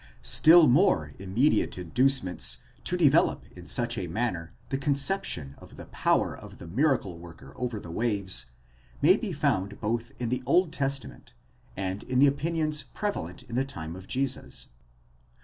Still more immediate inducements to develop in such a manner the conception of the power of the miracle worker over the waves, may be found both in the Old Testament, and in the opinions prevalent in the time of Jesus.